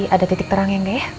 ada titik terang yang eh